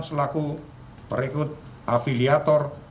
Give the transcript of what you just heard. selaku perikut afiliator